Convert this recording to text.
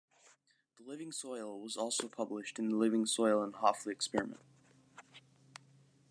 "The Living Soil" was also published as The Living Soil and the Haughley Experiment.